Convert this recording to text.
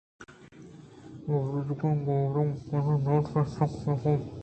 بزّگیں گوٛرگ ءَ پسّہ دات بے شَکّ ءُ پک